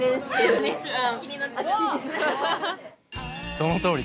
そのとおり。